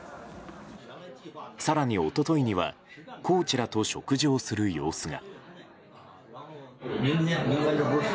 更に一昨日にはコーチらと食事をする様子が。